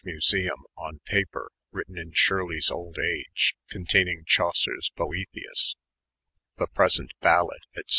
Musenm, on paper, written in Shirley's old age, containing Chaucer's * EJoethiuB,' the present Balade, &c.